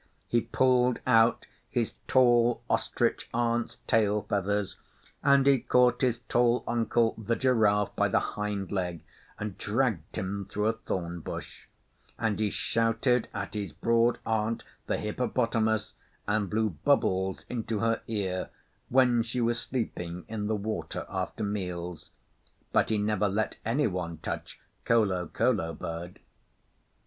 He pulled out his tall Ostrich aunt's tail feathers; and he caught his tall uncle, the Giraffe, by the hind leg, and dragged him through a thorn bush; and he shouted at his broad aunt, the Hippopotamus, and blew bubbles into her ear when she was sleeping in the water after meals; but he never let any one touch Kolokolo Bird.